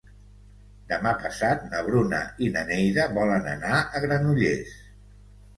Demà passat na Bruna i na Neida volen anar a Granollers.